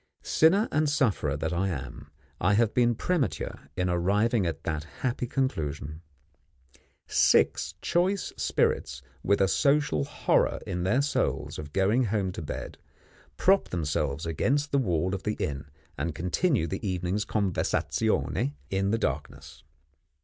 Sinner and sufferer that I am, I have been premature in arriving at that happy conclusion! Six choice spirits, with a social horror in their souls of going home to bed, prop themselves against the wall of the inn, and continue the evening's conversazione in the darkness.